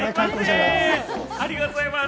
ありがとうございます。